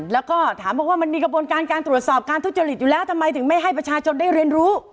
แล้วก็ถามบอกว่ามันมีกระบวนการการตรวจสอบการทุจริตอยู่แล้วทำไมถึงไม่ให้ประชาชนได้เรียนรู้